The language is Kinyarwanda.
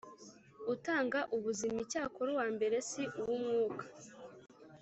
utanga ubuzima l Icyakora uwa mbere si uw umwuka